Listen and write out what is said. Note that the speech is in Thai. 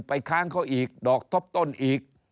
ค้างเขาอีกดอกทบต้นอีก